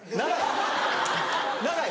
長い。